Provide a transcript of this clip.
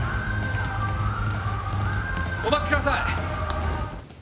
お待ちください。